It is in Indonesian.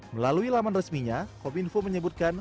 melalui laman resminya kominfo menyebutkan